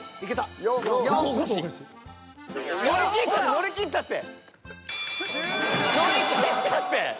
［乗り切ったって］